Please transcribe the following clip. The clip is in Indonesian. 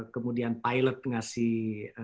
kemudian pilot ngasih